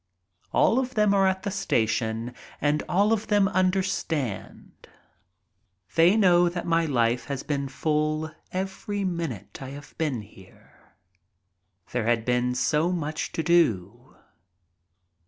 All of them are at the station and all of them imder 12 144 MY TRIP ABROAD stand. They know that my Hfe has been full every minute I have been here. There had been so much to do.